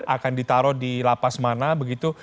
akan ditaruh di lapas mana begitu